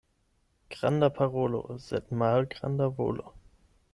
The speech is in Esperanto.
Granda parolo, sed malgranda volo.